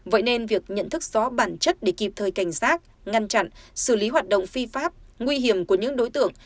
vậy nên việc nhận thức rõ bản chất để kịp thời cảnh giác ngăn chặn xử lý hoạt động phi pháp nguy hiểm của những đối tượng